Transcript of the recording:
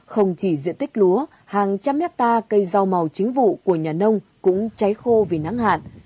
không chỉ diện tích lúa hàng trăm hectare cây rau màu chính vụ của nhà nông cũng cháy khô vì nắng hạn